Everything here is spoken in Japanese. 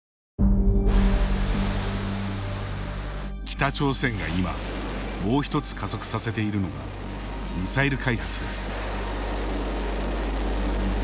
北朝鮮が今、もう一つ加速させているのがミサイル開発です。